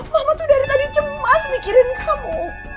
mama tuh dari tadi cemas mikirin kamu